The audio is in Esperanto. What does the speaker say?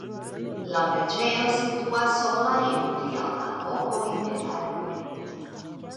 La preĝejo situas sola en pli alta loko inter arboj.